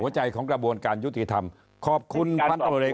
หัวใจของกระบวนการยุติธรรมขอบคุณพันธุ์โรเล็ก